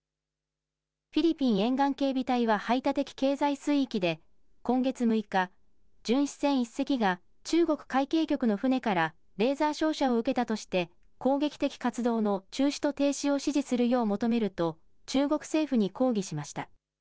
フィリピン沿岸警備隊は排他的経済水域で今月６日、巡視船１隻が、中国海警局の船からレーザー照射を受けたとして、攻撃的活動の中止と停止を指示するよう求めると、中国政府に抗議しました。